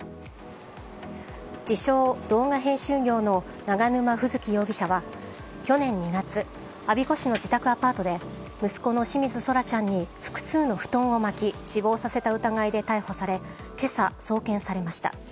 自称動画編集業の永沼楓月容疑者は去年２月我孫子市の自宅アパートで息子の清水奏良ちゃんに複数の布団を巻き死亡させた疑いで逮捕され今朝、送検されました。